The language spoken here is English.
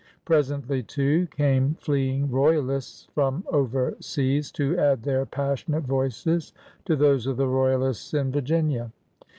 Presently, too, came fleeing royalists from overseas, to add their passionate voices to those of the royalists in Virginia.